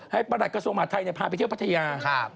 ประหลัดกระทรวงมหาดไทยพาไปเที่ยวพัทยา